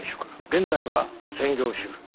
現在は専業主婦。